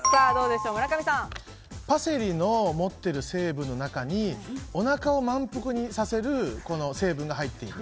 パセリの持ってる成分の中にお腹を満腹にさせる成分が入っている。